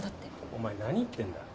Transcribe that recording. お前何言ってんだ？